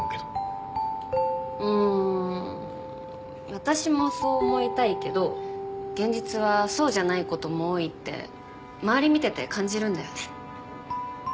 私もそう思いたいけど現実はそうじゃないことも多いって周り見てて感じるんだよね。